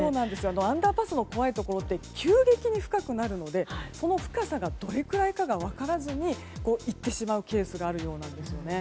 アンダーパスの怖いところは急激に深くなるのでその深さがどれくらいかが分からずに行ってしまうケースがあるようなんです。